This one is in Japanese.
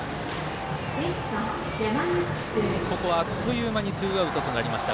ここはあっという間にツーアウトとなりました。